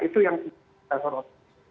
itu yang kita soroti